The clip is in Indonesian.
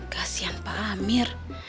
kasian pak amir